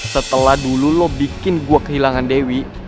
setelah dulu lo bikin gue kehilangan dewi